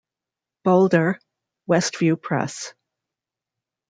Boulder: Westview Press.